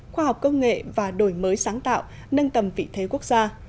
khoa học công nghệ và đổi mới sáng tạo nâng tầm vị thế quốc gia